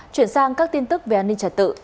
chuyển sang các tin tức về an ninh trật tự